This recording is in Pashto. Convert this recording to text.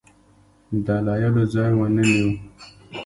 دلایلو ځای ونه نیوی.